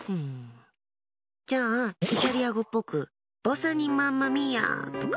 じゃあ、イタリア語っぽくボサニマンマミーアとか？